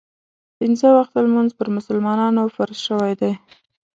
پنځه وخته لمونځ پر مسلمانانو فرض شوی دی.